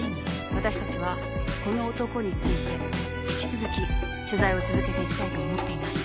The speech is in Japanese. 私たちはこの男について引き続き取材を続けていきたいと思っています。